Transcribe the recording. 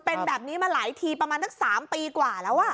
เป็นแบบนี้มาหลายทีประมาณสัก๓ปีกว่าแล้ว